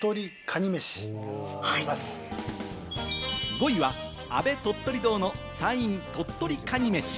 ５位はアベ鳥取堂の「山陰鳥取かにめし」。